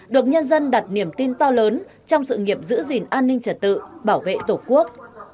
được nhân dân đặt niềm tin to lớn trong sự nghiệp giữ gìn an ninh trật tự bảo vệ tổ quốc